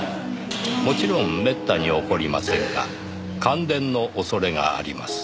「もちろんめったに起こりませんが感電の恐れがあります」